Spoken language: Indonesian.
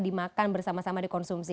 dimakan bersama sama dikonsumsi